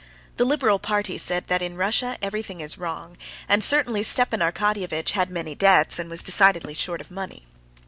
The liberal party said that in Russia everything is wrong, and certainly Stepan Arkadyevitch had many debts and was decidedly short of money.